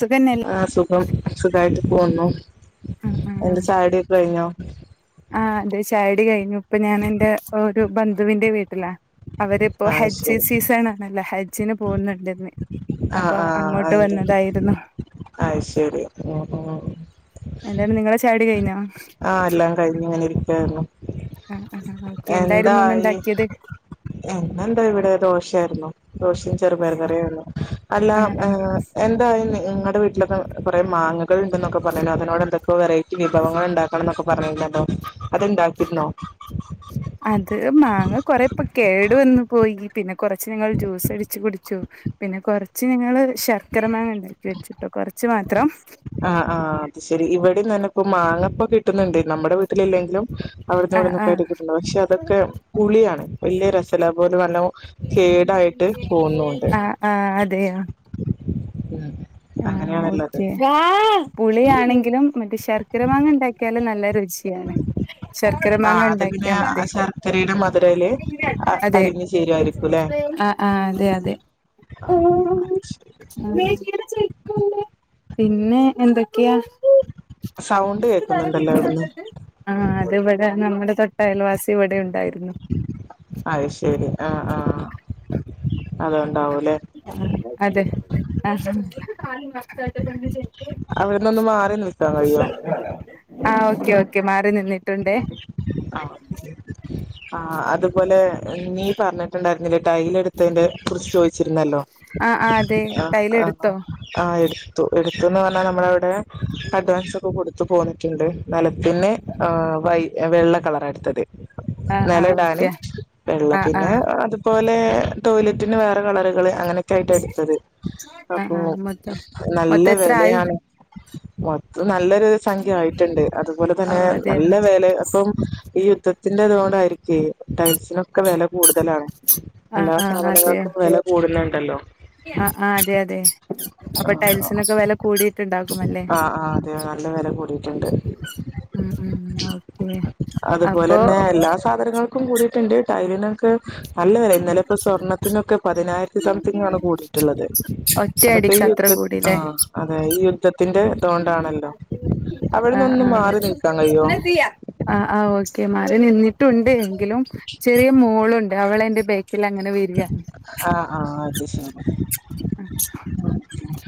സുഖന്നല്ലേ ആഹ് സുഖം സുഖായിട്ട് പോന്നു എന്ത ചായുടിയൊക്കെ കഴിഞ്ഞോ? ആ ദേ ചായുടി കഴിഞ്ഞു ഇപ്പൊ ഞാൻ എന്റെ ഒരു ബന്ധുവിന്റെ വീട്ടിലാ അവരിപ്പോ ആഹ് ഹജ്ജ് ശരി സീസണാണല്ലേ ഹജ് ജ്ജിന് പോവുന്നുണ്ടിന്ന് ആ ആ അതെ അയ് ശെരി ഉം ഉം എന്താണ് നിങ്ങളെ ചായുടി കയിഞ്ഞോ? ആഹ് എല്ലാം കഴിഞ്ഞിങ്ങനെ ഇരിക്കായിരുന്നു ആഹ് ആഹ് ഓക്കെ എന്തായിരുന്നു ഇന്ന് എന്തായി ഇണ്ടാക്കിയത് ഇന്നെന്താ ഇവിടെ ദോശായിരുന്നു ദോശയും ചെറുപയറുകറിയായിരുന്നു അല്ലാ ആഹ് ആഹ് ഏഹ് എന്തായി നീ ഇങ്ങടെ വീട്ടിലൊക്കെ കുറെ മാങ്ങ കൾ ഉണ്ടെന്നൊക്കെ പറഞ്ഞീന് അതിനോടെ ഇപ്പൊ വറൈറ്റി വിഭവങ്ങൾ ഇണ്ടാ ക്കണം എന്നൊക്കെ പറഞ്ഞി ര്ന്നല്ലോ അതിണ്ടാക്കിരുന്നോ അത് മാങ്ങ കൊറേ ഇപ്പ കേടു വന്നു പോയി പിന്നെ കുറച്ച് ഞങ്ങൾ ജ്യൂസടിച്ച് കുടിച്ചു പിന്നെ കുറച്ച് ഞങ്ങള് ശർക്കര മാങ്ങ ഇണ്ടാക്കി വെച്ചുട്ടോ കൊറച്ച് മാത്രം ആ ആഹ് അത് ശരി ഇവിടെം തന്നെ ഇപ്പൊ മാങ്ങപ്പൊ കിട്ട്ന്നുണ്ട് നമ്മുടെ വീട്ടില് ഇല്ലെങ്കിലും അവിടെന്ന് ആഹ് ഇവിടെന്ന് ആഹ് കിട്ടുണ്ട് പക്ഷെ അതൊക്കെ പുളിയാണ് വല്ല്യ രസല്ല അഅ്പോലെ നല്ലോം ആ ആഹ് അതെയാ ഉം ആഹ് അങ്ങനെയാണുള്ളത് ഓക്കെ പുളി ആണെങ്കിലും മറ്റേ ശർക്കര മാങ്ങ ഉണ്ടാക്കിയാൽ നല്ലൊരു ചിയാണ് ശർക്കര ആഹ് മാങ്ങ അത് പിന്നെ ഇണ്ടാക്കിയ മതി ശർക്കരയുടെ മധുരയില് അതെ അലിഞ്ഞു ചേരുവായിരിക്കുംല്ലെ ആ ആ അതെ അതെ പിന്നെ എന്തൊക്കെയാ സൗണ്ട് കേൾക്കുന്നുണ്ടല്ലോ അവിടുന്ന് ആഹ് അതിവിടെ നമ്മുടെ തൊട്ടയൽവാസി ഇവിടെ ഉ അത് ശരി ആ ആ അത് ഉണ്ടാവും ആ അതെ ആഹാ ആ അ ചെയ അവിടുന്നൊന്ന് മാറി നിൽക്കാൻ കഴിയോ ആ ഓക്കെ ഓക്കെ മാറി നിന്നി ആ ആ അതുപോലെ നീ പറഞ്ഞിട്ടുണ്ടായിരുന്നില്ലേ ടൈൽ എടുത്തേൻ്റെ കുറിച്ച് ചോദി ച്ചിരുന്നല്ലോ ആഹ് ആ അതെ ടൈല് എടുത്തോ ത്തു എടുത്തുന്ന് പറഞ്ഞാൽ നമ്മളവിടെ അഡ്വാൻസ് ഒക്കെ കൊടുത്തു പോന്നിട്ടുണ്ട് നെലത്തിന് ആഹ് വൈ വെള്ള കളറാ എടുത്തത് ആഹ് ആഹ് നിലടാന് ഓക്കെ വെള്ള ആഹ് പിന്നെ ആഹ് അത്പോലെ ടോയ്ലറ്റിന് വേറെ കളറുകള് അങ്ങനെ കട്ടെടുത്തത് അപ്പൊ ആഹ് ആഹ് മൊത്തം നല്ല മൊത്തം എത്ര ആയി വെലയാണ് [inaudible] നല്ലൊരു ഓഹ് അതെയോ [unintelligible] അപ്പം ഈ യുദ്ധത്തിന്റെ രിക്കെ [inaudible] നൊക്കെ വില കൂടുതലാണ് ആഹ് എല്ലാ ആഹ് അതെയോ സാധനങ്ങൾക്കും വില കൂടുന്നുണ്ടല്ലോ ആ ആ അതെ അതെ ആ അപ്പൊ ടൈൽസിനൊക്കെ വില കൂടിയിട്ടുണ്ടാകുമല്ലേ ആഹ ആ അതെയ നല്ല വില കൂടീട്ടുണ്ട് ഓക്കേ അപ്പൊ ക്കും കൂടീട്ടിണ്ട് ടയലിനൊക്കെ നല്ല വെല ഇന്നലെ പ്പൊ സ്വർണ്ണത്തിനൊക്ക പതിനായിരത്തി സംതിങ് ആണ് കൂടിയിട്ടുള്ളത് അതൊക്കെ ഒറ്റയടിക്ക് ഈ അത്ര യുദ്ധ ആ കൂടില്ലേ അതെ ഈ യുദ്ധത്തിന്റെ തോണ്ടാണല്ലോ ആ അവിടന്ന് ഒന്ന് ആ മാറി നിൽക്കാൻ കഴിയോ ആ ആ ഓക്കെ മാറി നിന്നി ഉണ്ട് എങ്കിലും ചെറിയ മോളു അവളെന്റെ [inaudible] തില് അങ്ങനെ വെരിയാണ് ആഹ് ആഹ് അത് ശരി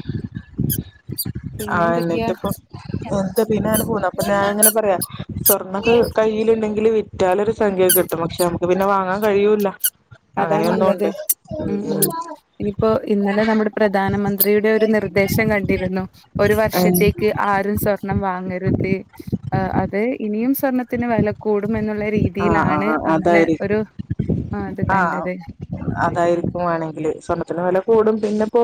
[unintelligible] ആഹ എന്നിട്ട് എന്തൊക്കെയാ ഇപ്പം എന്താ പിന്നെ അങ്ങന പോന്നു അപ്പൊ ഞാൻ ഇങ്ങന പറയാ സ്വർണ്ണൊക്ക്‌ കയ്യിലുണ്ടെകില് റ്റാലൊരു സംഖ്യ കിട്ടും പക്ഷെ നമുക്ക് പിന്നെ വാങ്ങാൻ കഴിയൂല അതാണിള്ളത് ഉം ഉം ഇനിപ്പോ ഇന്നലെ നമ്മുടെ പ്രധാനമന്ത്രിയുടെ ഒരു നിർ ദ്ദേശം കണ്ടിരുന്നു ഒരു ഉം വർഷത്തേക്ക് ആരും സ്വർണം വാങ്ങെരുത് ആ അതെ ഇനിയും സ്വർണ്ണത്തിന് വെല കൂടും എന്നുള്ള ആഹ് രീതീലാണ് ആഹ് അങ്ങനെ ഒരു ആ അത് ആ കണ്ടത് അതായിരിക്കും വാണെങ്കില് സ്വർണ്ണത്തിന് വെല കൂടും പിന്നെപ്പോ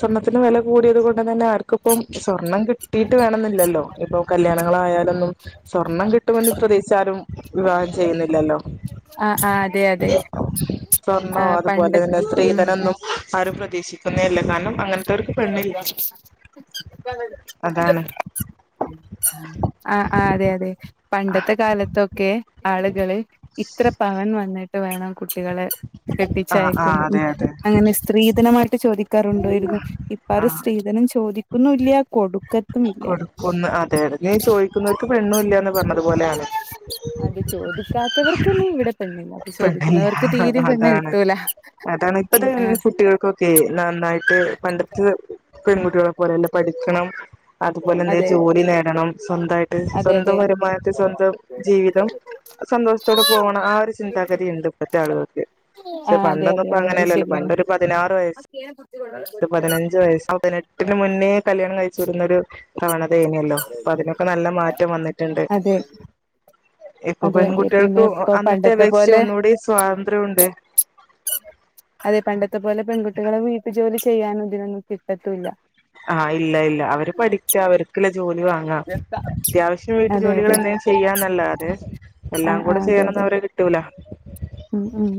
സ്വർണത്തിന് വെല കൂടിയത് കൊണ്ട് തന്നെ ആർക്കിപ്പം സ്വർണ്ണം കി കിട്ടീട്ട് വേണന്നില്ലല്ലോ ഇപ്പൊ കല്യാണം ആയാലോ സ്വർണ്ണം കിട്ടുമെന്ന് പ്രതീക്ഷിച്ചാരും വിവാഹം ചെയ്യുന്നില്ലല്ലോ ആ ആ അതെ അതെ ആ സ്വർണോ അതുപോലെ പണ്ട് തന്നെ ഉം സ്ത്രീധനൊന്നും ആരും പ്രതീക്ഷിക്കുന്നേ ഇല്ല കാരണം അ അതാണ് ആ ആ അതെ അതെ പണ്ടത്തെ കാലത്തൊക്കെ ആളുകള് ഇത്ര പവൻ വന്നി വേണം കുട്ടികളെ ആഹ് ആഹ് കെട്ടിച്ചയക്കുമ്പോ അതെ അതെ അങ്ങനെ സ്ത്രീധനമായിട്ട് ചോദി ക്ക റുണ്ടായിരുന്നു ഇപ്പ ആരും ശ്രീധനും ചോദിക്ക ഒന്നും ഇല്ല കൊടു കൊടുക്കും ന്ന് അതെ അതെ നീ ചോദിക്കുന്നവർക്ക് പെണ്ണുല്ലയന്ന് പറഞ്ഞത്പോലെയാണ് അത് ചോദിക്കാത്തവർക്കന്നെ ഇവിടെ പെണ്ണില്ല അപ്പൊ ചോദിക്കുന്നവർക്ക് തീരെയും പെണ്ണ് അതാണ് കിട്ടൂല അതാണ് ഇപ്പത്ത ആ കുട്ടികൾക്കൊക്കെ നന്നായിട്ട് പണ്ടത്തെ പെൺകുട്ടികളെ പോലെയല്ല പഠിക്കണം അതുപോലെ എന്തേം അതെ ജോലി നേടണം സ് അതെ സ്വന്തം അതെ വരുമാനത്തെ സ്വന്തം ജീവിതം സന്തോഷത്തോടെ പോവണം ആ ഒരു കതിണ്ട് ഇപ്പത്തെ ആളുകൾക്ക് ആ പക്ഷെ അതെ പണ്ടന്നും അതെ ഇപ്പ വളരെ അങ്ങനെയല്ലല്ലോ പണ്ട ശരിയാണ് ഒരു പതിനാറു വയസ് പതിനഞ്ച് വയസ് പതിനെട്ടിന് മുന്നേ കല്യാണം കഴിച്ചു വിടുന്നൊരു [unintelligible] നെല്ലോ അതിനൊക്കെ നല്ല മാറ്റം വന്നിട്ണ്ട് അതെ ഇപ്പൊ അതെ അതെ പിന്നെ പെൺകുട്ടികൾക്ക് ഇപ്പൊ അന്നത്തെ പണ്ടത്തെ അപേക്ഷിച്ച് പോലെ ഒന്നുകൂടി സ്വാതന്ത്ര്യമുണ്ട് അതെ പണ്ടത്തെ പോലെ പെൺകുട്ടികളെ വീട്ടിൽ ജോലി ചെയ്യാനും ഇതിനൊന്നും കിട്ടത്തുല്ല ആ ഇല്ല ഇല്ല അവര് പഠിക്കാ അവർക്ക് ജോലി വാങ്ങാം അത്യാവശ്യം വീട്ടു അതെ ജോലികൾ അതെ എന്തെങ്കിലും ചെയ്യാന്നല്ലാതെ എല്ലാം ആഹ് കൂടെ ആഹ് അതെ ചെയ്യനോന്നും അതെ അവരെ കിട്ടൂല ഉം ഉം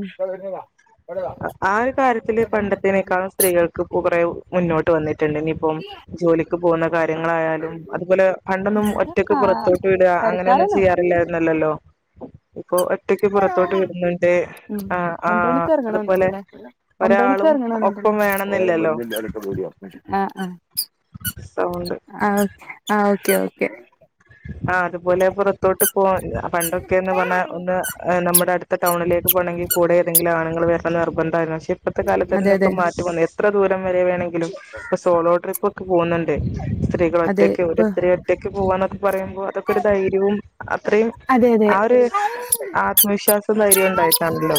ആ ഒരു കാര്യത്തില് പണ്ടത്തിനേക്കാളും സ്ത്രീകൾക്ക് ഇപ്പം കുറെ മുന്നോട്ട് വന്നിട്ടുണ്ട് ഇനിയിപ്പം ജോലിക്ക് പോകുന്ന കാര്യങ്ങളായാലും അതുപോലെ പണ്ടൊന്നും ഇവിടെ ഒറ്റക്ക് ആഹ് പുറത്തോട്ട് വിട്ക അങ്ങനെയൊന്നും പെരക്കാരന്നൊള്ളു ചെയ്യാറില്ലായിരുന്നല്ലല്ലോ ഇപ്പൊ ഒറ്റക്ക് പുറത്തോട്ട് വിടുന്നുണ്ട് ഉം ആ ആ ഒമ്പണിക്ക് അതുപോലെ ഒമ്പണിക്ക് ഒരാളും ഇറങ്ങ്ണ് ഒപ്പം വേണന്നില്ലല്ലോ ന്ന്ണ്ടല്ലേ ആ ആ സൗണ്ട് ആ ആ ഓക്കെ ഓക്കെ ആ അതുപോലെ പുറത്തോട്ട് ഇ പണ്ടൊക്കെന്ന് പറഞ്ഞാൽ ഒന്ന് നമ്മുടെ അടു ഇ ടൗണിലേ പോണെങ്കിൽ കൂടെ തെങ്കില ആങ്ങൾ വ അല്ല ബന്തായതിനാ ശ് ഇപ്പത്തെ കാലത്ത് അതെ ഇതിനൊക്കെ അതെ മാറ്റം വന്ന എത്ര ദൂരം വരെ വേണെങ്കി ങ്കിലും ഇപ്പൊ സോളോ ട്രിപ്പ് ഒക്കെ പോണണ്ട്‌ സ്ത്രീകൾ അതെ ഒറ്റക്ക് ഒരു ഇപ്പൊ സ്ത്രീ ഒറ്റക്ക് പോവാണ് പറയുമ്പോ അതൊക്കെ ഒരു ധൈര്യവും അത്രയും അതെ അതെ ആ ഒരു ആത്മവിശ്വാസം ധൈര്യം ഉണ്ടായിട്ടാണല്ലോ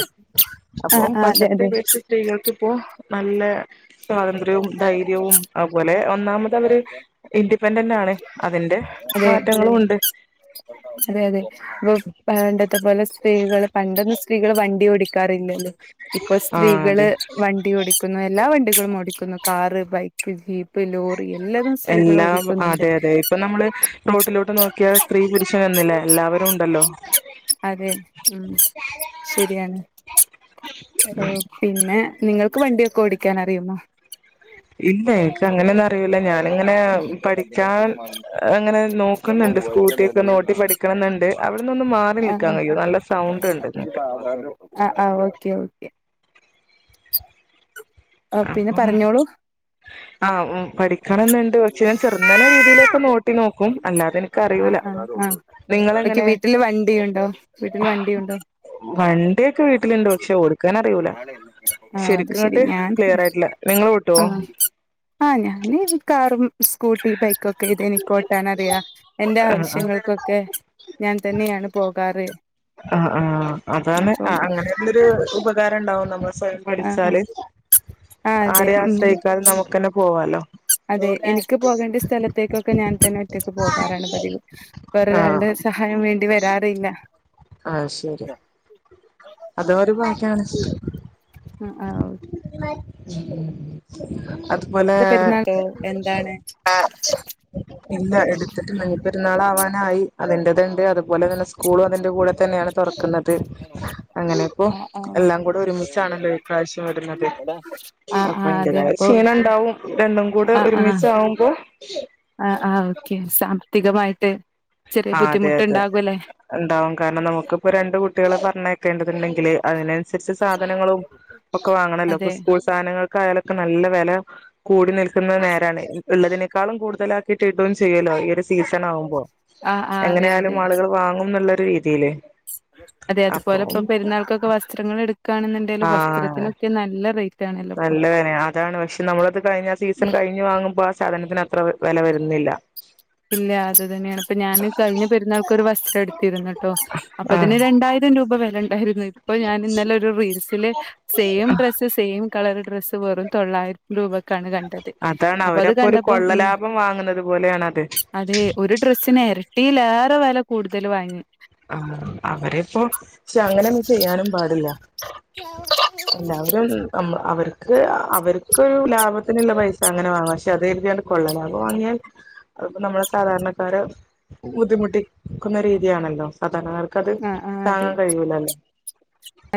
അപ്പൊ ആഹ് ആഹ് അതെ പണ്ടത്തെ അതെ അപേക്ഷിച്ച് സ്ത്രീകൾ ക്കിപ്പോ നല്ലെ സ്വാതന്ത്ര്യവും ധൈര്യവും അയ്പോലെ ഒന്നാമത് അവര് ഇൻഡിപെന്റെന്റാണ് അതിന്റെ അതെ മാറ്റങ്ങളും ഉണ്ട് അതെ അതെ ഇപ്പം പണ്ടത്തെ പോലെ സ്ത്രീകൾ പണ്ടൊന്നും സ്ത്രീകൾ വ വണ്ടി ഓടിക്കാറില്ലല്ലോ ഇപ്പൊ ആഹ് സ്ത്രീകൾ അതെ വണ്ടി ഓടിക്കുന്നു എല്ലാ വണ്ട [unintelligible] ഓടിക്കുന്നു കാറ് ബൈക്ക് ജീപ്പ് ലോറി എല്ലതും സ്ത്രീകൾ എല്ലാം ഓടിക്കുന്നുണ്ട് അതെ അതെ ഇപ്പൊ നമ്മൾ റോട്ടിലോട്ട് നോക്കിയാ സ്ത്രീ ക്ഷ വന്നിലെ എല്ലാവരും ഉണ്ടല്ലോ അതെ ഉം ശരിയാണ് ഓ പിന്നെ ഏ നിങ്ങൾക്ക് വണ്ടിയൊക്കെ ഓടിക്കാൻ അറിയുമോ ഇല്ല എനക്ക് അങ്ങനെയൊന്നും അറിയൂല ഞാാനിങ്ങനെ പഠിക്കാൻ അങ്ങനെ നോക്കുന്നുണ്ട് സ്കൂട്ടിയൊക്കെ ഓട്ടി പഠിക്കണന്ന്ണ്ട് അവിടുന്ന്നൊന്ന് മാറി ആ നിൽക്കാൻ കയ്യോ നല്ല സൗണ്ട് ഉണ്ട്ങ്ങട്ട് ആ ആ ഓക്കെ ഓക്കെ പിന്നെ അപ്പം പറഞ്ഞോളൂ ആ പഠിക്കണം ഇന്ന്ണ്ട് പക്ഷെ ഞാൻ ചെറ്ന്നനെ രീതിയിലൊക്കെ ഓട്ടി നോക്കും അല്ലാതെ ആ ഇനക്ക് ആ അറിയൂല ആ ഓക്കെ നിങ്ങളെങ്ങനെ വീട്ടില് വണ്ടിയുണ്ടോ വീട്ടിൽ വണ്ടിയുണ്ടോ വണ്ടിയൊക്കെ വീട്ടിലുണ്ട് പക്ഷെ ഓടി ക്കാൻ അറിയൂല അത് ശരിക്ക് ശരി ഇങ്ങട്ട് ഞാൻ ക്ലിയർ ആയിട്ടില്ല നിങ്ങൾ ആ ഓട്ടുവോ ആ ഞാൻ കാർ സ്കൂട്ടി ബൈക്കൊക്കെ ഇതെനിക്കോട്ടാൻ അറിയാം എന്റെ ആഹ് ആഹ് ആവശ്യങ്ങൾക്കൊക്കെ ഞാൻ തന്നെയാണ് പോകാറ് ആ ആ അതാണ് അപ്പം അങ്ങനെയുള്ളൊരു ഉപകാരം ഇണ്ടാവും നമ്മൾ സ്വയ ആഹ് ആഹ് പഠിച്ചാല് ആഹ് അതെ ആരേം ഉം ആശ്രയിക്കാതെ നമുക്ക് തന്നെ പോവാലോ അതെ എനിക്ക് പോകേണ്ട സ്ഥലത്തേക്കൊക്കെ ഞാൻ തന്നെ ഒറ്റക്ക് പോകാറാണ് പതിവ് ആഹ് വേറൊരാളുടെ സഹായം വേണ്ടി വരാറില്ല ആ ശരി അതും ഒരു പങ്കാണ് ആ ആ ഓ അത് പോലെ ഇത് പെരുന്നാളോ എന്താണ് ഇല്ല എടുത്തിട്ട് ഇല്ല ഞ് പെരുന്നാൾ ആവാനായി അതിൻ്റെത്ണ്ട് അതുപോലെ തന്നെ സ്കൂളും അതിന്റെ കൂടെ തന്നെയാണ് തൊറക്കുന്നത് അങ്ങനെപ്പോ ആഹ് ആഹ് എല്ലാം കൂടെ ഒരുമിച്ചാണല്ലോ പ്രാവശ്യം വരുന്നത് ആഹ് ആഹ് അതെ അപ്പയിൻ്റതായ അപ്പൊ ക്ഷീണം ണ്ടാവും രണ്ടും കൂടെ ഒരുമിച്ച് ആകുമ്പോ ആ ആഹ് ഓക്കെ സാമ്പ ത്തികമായിട്ട് ആ അതെ അതെ ണ്ടാവും കാരണം നമുക്കിപ്പോ രണ്ടു കുട്ടികളെ പറഞ്ഞയക്കേണ്ടതുണ്ടെങ്കി ല് അതിനനുസരിച്ച് സാധനങ്ങളും ഒക്കെ വാങ്ങണല്ലോ ഇപ്പ അതെ സ്കൂൾ സാധനങ്ങൾ കായലൊക്കെ നല്ല വെല കൂടി നിൽക്കുന്ന നേരാണ് ഉള്ളതിനേക്കാളും കൂടുതലാക്കിയിട്ട് ഇടും ചെയ്യല്ലോ ഈ ഒരു സീസണാകുമ്പോ ആഹ് ആഹ് എങ്ങനെയ അതെ ആ യാലും അതെ ആളുകൾ വാങ്ങും ന്നുള്ള രീതിയിലേ അതെ അതുപോലെ ഇപ്പോ പെരുന്നാൾക്കൊക്കെ വസ്ത്രങ്ങൾ എടു ആ കാണ്ന്ന്ണ്ടേലും വസ്ത്രത്തിനൊക്കെ നല്ല റേറ്റ് ആണല്ലോ ഇപ്പൊ നല്ല വെലാണ് അതാണ് പക്ഷെ നമ്മളത് കഴിഞ്ഞ ആ സീസൺ കഴിഞ് വാങ്ങുമ്പോ ആ സാധനത്തിന് അത്ര വില വര ന്നില്ല ഇല്ലാ അതുതന്നെയാണ് പ്പൊ ഞാാന് കഴിഞ്ഞ പെരുന്നാൾക്കൊരു വസ്ത്രം എടുത്തിരുന്നു ട്ടോ അപ്പൊ ആ അതിന് രണ്ടായിരം രൂപ വെല ണ്ടായിരുന്നു ഇപ്പൊ ഞാൻ ഇന്നലെ ഒരു റീൽസില് same dress same colour dress വറും തൊള്ളായിരം രൂപ അതാണ് അവരപ്പോ ഒരു ഉം കൊള്ളലാഭം വാങ്ങുന്നത് പോലെയാണ് അത് അതെ ഒരു ഡ്രസ് സ്സിന് എരട്ടിലേറെ വെല കൂടുതൽ വാങ്ങി ആ അവരിപ്പോ അങ്ങനെൊന്നും ചെയ്യാനും പാടില്ല എല്ലാവരും അവർക്ക് അവർക്ക് അവർക്കൊരു ലാഭത്തിനുള്ള പൈസ അങ്ങനെ വാങ്ങ പക്ഷെ അതരുതിയാണ്ട് കൊള്ളലാഭം വാങ്ങിയാൽ അതിപ്പോ നമ്മളെ സാധാരണക്കാരെ ബുദ്ധിമുട്ടിക്കുന്ന രീതിയാണല്ലോ അതാണ് കറ ക്ക് അത് ആഹ് ആഹ് അതെ താങ്ങാൻ കഴിയൂലല്ലോ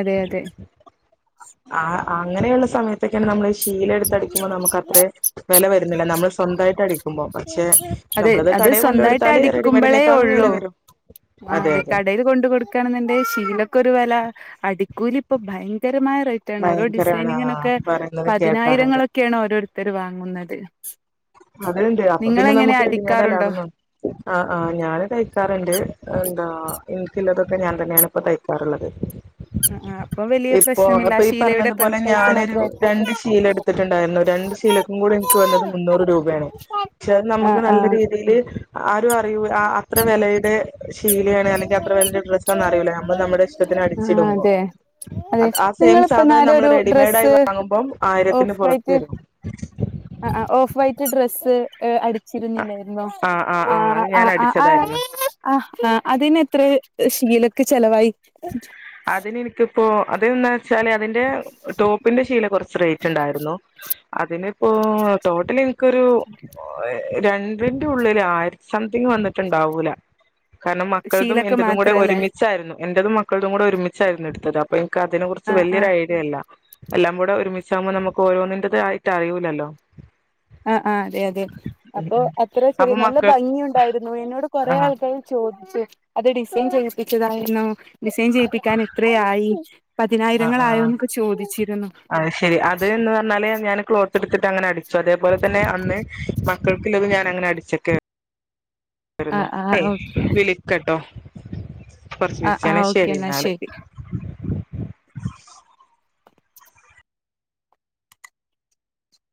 അതെ അതെ ആ അങ്ങനെയുള്ള സമയത്തൊക്കെയാണ് നമ്മള് കീല എടുത്തടിക്കുമ്പോ നമുക്ക് അത്രേ വില വരുന്നില്ല നമ്മള് സ്വന്തായിട്ട് അടിക്കുമ്പോ പക്ഷേ അത് നമ്മളത് അത് കടയിൽ സ്വന്തായിട്ട് കൊണ്ടുകൊടുത്താല് റെഡിമെയഡിനേക്കാളും വെല വരും ആഹ് അതെ അത് അതെ കടയിൽ കൊണ്ട് കൊടുക്കാണെന്നുണ്ടേ ശീല ലക്ക് ഒരു വെല അടിക്കൂലി ഇപ്പൊ ഭയങ്കര മായ റേറ്റാണ് ഓരോ ഭയങ്കരാണ് ആ ഡിസൈനിങ്ങിനൊക്കെ പറയുന്നത് കേൾക്കാറുണ്ട് പതിനായിരങ്ങളൊക്കെ ആണ് ഓരോ രുത്തര് വാങ്ങുന്നത് അത്ണ്ട് അപ്പൊ പിന്നെ നിങ്ങളെങ്ങനെ നമുക്ക് റെഡിമെയ്ഡ് ആ അടിക്കാറുണ്ടോ ലാഭംന്ന് ആ ആ ഞാന് തയ്ക്കാറുണ്ട് എന്താ എനിക്കുള്ളതൊക്കെ ഞാൻ തന്നെയാണ് ഇപ്പോ തയ്ക്കാറുള്ളത് ആ അപ്പൊ വലിയ ഇപ്പോ പ്രശ്നമില്ല അതിപ്പൊ ആ ഈ ശീലയുടെ പറഞ്ഞതുപോലെ പൈസ ഞാനൊരു മാത്രമേ രണ്ട് ശീലം എടുത്തിട്ടുണ്ടായിരുന്നു രണ്ട് ശീലക്കും കൂടെ എനിക്ക് വന്നത് മുന്നൂറ് രൂപ വെ പക്ഷെത് ആ നമുക്ക് ആ നല്ല രീതിയിൽ ആരും അറിയൂല അ അത്ര വിലയുടെ ശീലിയാണ് അല്ലെങ്കിൽ അത്ര വിലയുടെ ഡ്രസ്സാണെന്ന് അറില്ല നമ്മൾ നമ്മുടെ ഇഷ്ടത്തിന് അടി ആ യ്ച്ചിടുമ്പോ അതെ അതെ ആ സെയിം നിങ്ങളിപ്പോ സാധനം നേരെ നമ്മൾ ഒരു റെഡിമെയ്ഡ് ആയി ഡ്രസ്സ് വാങ്ങുമ്പോം ആയിരത്തിന് ഓഫ് പുറത്ത് വൈറ്റ് വരും ആ ആ് ഓഫ് വൈറ്റ് ഡ്രെസ്സ് അടിച്ചിരുന്നില്ലായിരുന്നോ ആഹ് ആഹ് ആ ആഹ് അത് അ ഞാൻ അടിച്ചതായിരുന്നു അ അതിനെത്ര ശീലക്ക് ചെലവായി അതിന് എനിക്കിപ്പോ അതെന്നാ പ്പോ അതിന്റെ ടോപ്പിന്റെ ശീല കുറച്ച് റേറ്റ് ഉണ്ടായിരുന്നു അതിനിപ്പോ ടോട്ടലി എനിക്കൊരു രണ്ടിന്റെ ഉള്ളിൽ ആയിരത്തി സംതിങ് വന്നിട്ടുണ്ടാവൂല കാരണം മക്കളതും ശീലക്ക് എന്റതും കൂടെ മാത്രല്ലേ ഒരുമിച്ചായിരുന്നു എന്റതും മക്കളടും കൂടെ ഒരുമിച്ചായിരുന്നു എടുത്തത് അപ്പം ൻക്ക്അതിനെ കുറിച്ച് ആ ആ വലിയൊര് ഐഡിയയില്ല എല്ലാം കൂടെ ഒരുമിച്ച് ആകുമ്പോൾ നമുക്ക് ഓരോന്നിന്റതായിട്ട് ആയിട്ട് അറിയൂല്ലല്ലോ ആ ആഅതെ അതെ അപ്പൊ അത്ര ചെറിയ അപ്പൊ നല്ല മക്കൾ ഭംഗി ഉണ്ടായിരുന്നു എന്നോട് കൊറെേ ആഹ് ആൾക്കാര് ചോദിച്ചു അത് ഡിസൈൻ ചെയ്യിപ്പിച്ചതായിരുന്നോ ഡിസൈൻ ചെയ്യിപ്പിക്കാൻ എത്രയായി ആ ആ പതിനായിരങ്ങളായോ എന്നൊക്കെ ചോദിച്ചിരുന്നു അത് ശരി അത് എന്ന് പറഞ്ഞാല് ഞാന് ക്ലോത്ത് ടുത്തിട്ട് അങ്ങനെ അടിച്ചു അതേപോലെ തന്നെ അന്ന് മക്കൾക്കിള്ളത് ഞാൻ അങ്ങനെ അടിച്ചക്കെ ക്കായിരിന്നു ആഹ് ആഹ് ഓക്കെ വിളിക്കട്ടോ [inaudible] കൊറച്ച് ആഹ് ബിസി ആണേ ആഹ് ഓക്കെ ശരി എന്നാ എന്നാല് ശരി